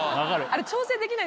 あれ。